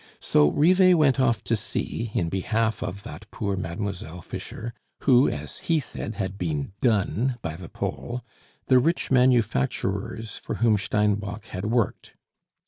So Rivet went off to see, in behalf of that poor Mademoiselle Fischer, who, as he said, had been "done" by the Pole, the rich manufacturers for whom Steinbock had worked.